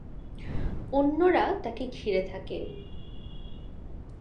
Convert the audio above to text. অন্যরা তাকে ঘিরে থাকে।